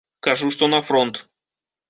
Кажу, што на фронт.